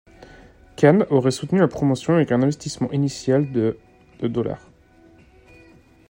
Khan aurait soutenu la promotion avec un investissement initial de de dollars.